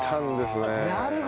なるほどね。